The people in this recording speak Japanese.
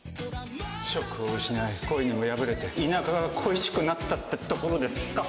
職を失い、恋にも破れて田舎が恋しくなったってところですか？